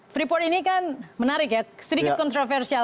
freeport ini kan menarik ya sedikit kontroversial